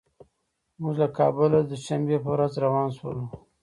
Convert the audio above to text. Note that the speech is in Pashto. موږ له کابله د دوشنبې په ورځ روان شولو.